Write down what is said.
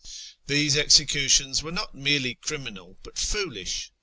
Those executions were not merely criminal, but foolish.